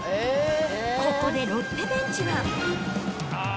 ここでロッテベンチは。